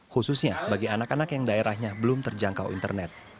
khususnya bagi anak anak yang daerahnya belum terjangkau internet